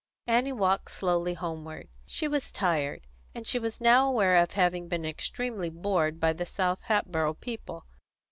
Annie walked slowly homeward. She was tired, and she was now aware of having been extremely bored by the South Hatboro' people.